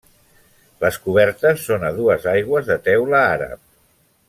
Les cobertes són a dues aigües de teula àrab.